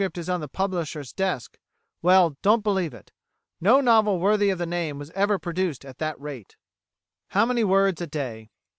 is on the publisher's desk well, don't believe it. No novel worthy of the name was ever produced at that rate. How many Words a Day?